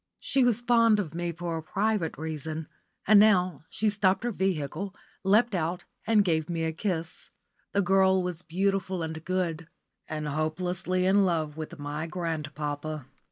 She was fond of me for a private reason, and now she stopped her vehicle, leapt out, and gave me a kiss. The girl was beautiful and good, and hopelessly in love with my grandpapa.